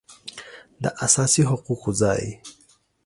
داساسي حقوقو ځای